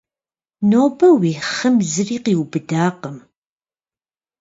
Нобэ уи хъым зыри къиубыдакъым.